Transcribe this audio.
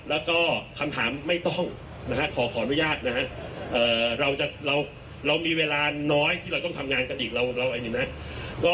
แล้วก็คำถามไม่ต้องขอขออนุญาตนะครับเรามีเวลาน้อยที่เราต้องทำงานกันอีก